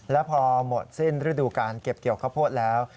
แล้วพอหมดสิ้นฤดูการเก็บเกี่ยวข้าวโพดแล้ว